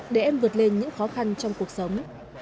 để em vượt lên những khó khăn trong cuộc sống